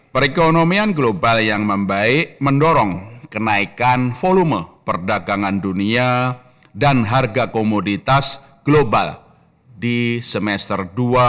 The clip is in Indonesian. perekonomian global yang membaik mendorong kenaikan volume perdagangan dunia dan harga komoditas global di semester dua